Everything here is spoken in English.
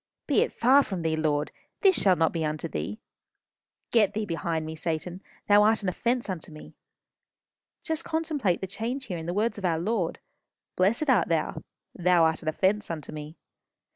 Be it far from thee, Lord. This shall not be unto thee.... Get thee behind me, Satan. Thou art an offence unto me.' Just contemplate the change here in the words of our Lord. 'Blessed art thou.' 'Thou art an offence unto me.